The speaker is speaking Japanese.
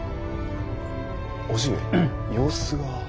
叔父上様子が。